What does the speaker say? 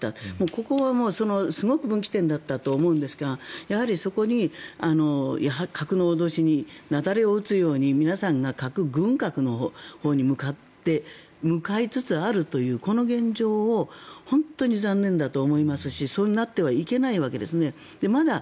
ここはすごく分岐点だったと思うんですが、やはりそこに核の脅しに雪崩を打つように皆さんが核軍拡のほうに向かいつつあるというこの現状を本当に残念だと思いますしそうなってはいけないわけですね。